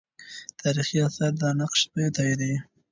تاریخي آثار دا نقش تاییدولې.